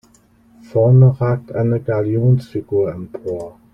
Vorne ragt eine Galionsfigur empor.